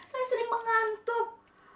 saya sering mengantuk